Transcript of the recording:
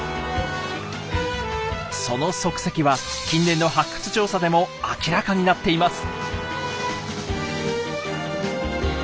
その足跡は近年の発掘調査でも明らかになっています。